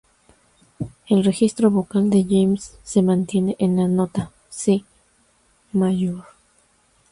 El registro vocal de James se mantiene en la nota "si"♭ mayor.